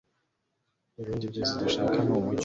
Ibindi byose dushaka Numucyo